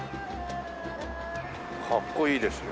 かっこいいですよ。